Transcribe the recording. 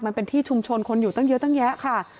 มันเป็นที่ชุมชนคนอยู่ตั้งเยอะตั้งแยะค่ะ